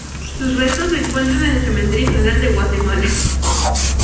Sus restos se encuentran en el Cementerio General de Guatemala.